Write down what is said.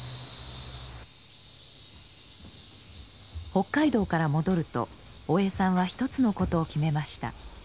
北海道から戻ると大江さんは一つのことを決めました。